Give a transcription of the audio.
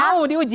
kalau mau diuji